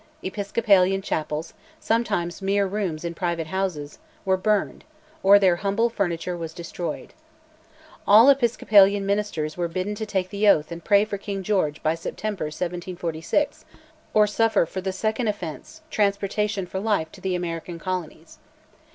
Episcopalian chapels, sometimes mere rooms in private houses, were burned, or their humble furniture was destroyed. All Episcopalian ministers were bidden to take the oath and pray for King George by September 1746, or suffer for the second offence transportation for life to the American colonies.